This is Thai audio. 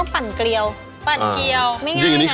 ในโลกเลยครับ